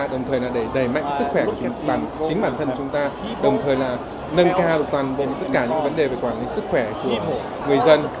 đồng thời là để đẩy mạnh sức khỏe bản chính bản thân chúng ta đồng thời là nâng cao toàn bộ tất cả những vấn đề về quản lý sức khỏe của người dân